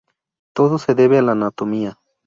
Todo se debe a la anatomía.